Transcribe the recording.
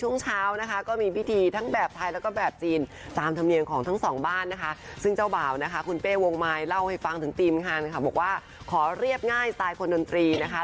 ในวงไมล์เล่าให้ฟังถึงทีมคันค่ะบอกว่าขอเรียบง่ายสไตล์คนดนตรีนะคะ